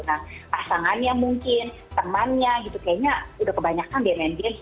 nah pasangannya mungkin temannya gitu kayaknya udah kebanyakan biar main games